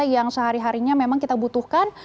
yang sehari harinya memang kita butuhkan